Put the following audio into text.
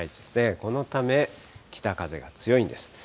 このため、北風が強いんです。